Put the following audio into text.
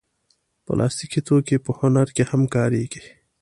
پلاستيکي توکي په هنر کې هم کارېږي.